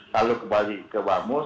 lalu kembali ke bamus